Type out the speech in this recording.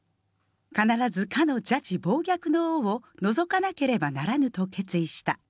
必ずかの邪智暴虐の王を除かなければならぬと決意した。